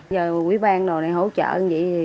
giờ quý bang đồ này hỗ trợ như vậy